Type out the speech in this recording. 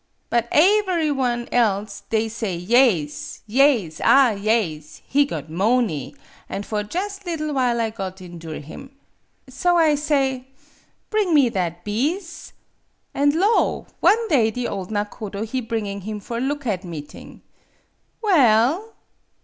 'But aevery one else they sayyaes yaes, ah, yaes he got moaney, an' for jus' liddle while I got endure him. So I say, 'Bring me that beas'.' An' lo! one day the ole nakodo he bringing him for look at meeting. Well!